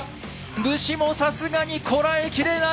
武士もさすがにこらえきれない！